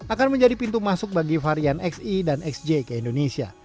akan menjadi pintu masuk bagi varian xe dan xj ke indonesia